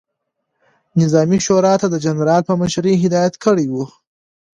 نظامي شورا ته د جنرال په مشري هدایت کړی ؤ،